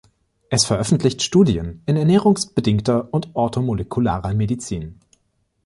Es veröffentlicht Studien in ernährungsbedingter und orthomolekularer Medizin.